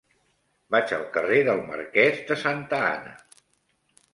Vaig al carrer del Marquès de Santa Ana.